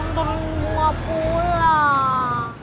kan baru minggu pulang